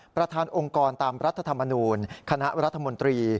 ประธานองค์กรตามรัฐธรรมนูลคณะรัฐมนตรี